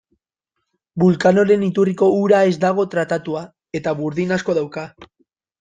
Vulcanoren iturriko ura ez dago tratatuta, eta burdin asko dauka.